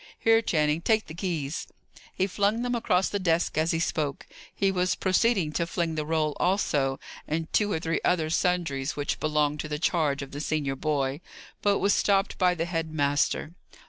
Here, Channing, take the keys." He flung them across the desk as he spoke; he was proceeding to fling the roll also, and two or three other sundries which belong to the charge of the senior boy, but was stopped by the head master.